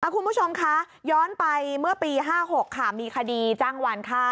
คุณผู้ชมคะย้อนไปเมื่อปี๕๖ค่ะมีคดีจ้างวานฆ่า